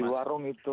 di warung itu